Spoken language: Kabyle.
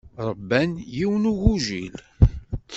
Ṛebban yiwen n ugujil.